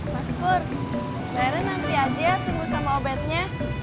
mas pur keren nanti aja tunggu sama obetnya